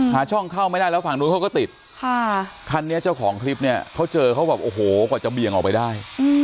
หาช่องเข้าไม่ได้แล้วฝั่งนู้นเขาก็ติดคันนี้เจ้าของคลิปเนี่ยเขาเจอเขาแบบโอ้โหกว่าจะเบี่ยงออกไปได้